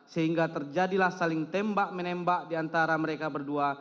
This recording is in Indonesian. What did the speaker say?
sehingga terjadilah saling tembak menembak di antara mereka berdua